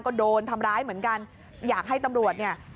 ก็โดนทำร้ายเหมือนกันอยากให้ตำรวจเนี่ย